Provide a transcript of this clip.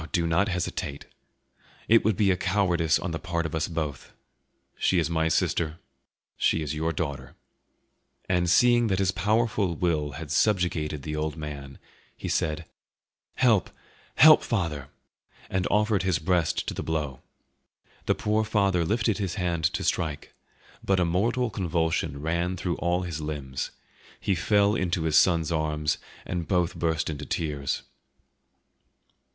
Oh, do not hesitate! It would be a cowardice on the part of both of us; she is my sister, she is your daughter." And seeing that his powerful will had subjugated the old man, he said, "Help! help, father!" and offered his breast to the blow. The poor father lifted his hand to strike; but a mortal convulsion ran through all his limbs; he fell into his son's arms, and both burst into tears.